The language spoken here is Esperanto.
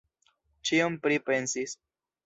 Ĉion pripensis.